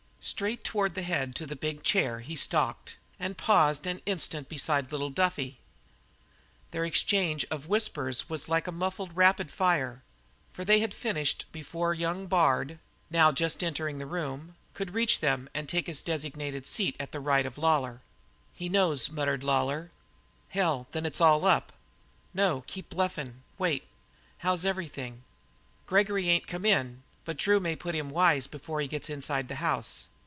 Straight toward the head to the big chair he stalked, and paused an instant beside little Duffy. Their interchange of whispers was like a muffled rapid fire, for they had to finish before young Bard, now just entering the room, could reach them and take his designated chair at the right of Lawlor. "He knows," muttered Lawlor. "Hell! Then it's all up?" "No; keep bluffin'; wait. How's everything?" "Gregory ain't come in, but Drew may put him wise before he gets inside the house."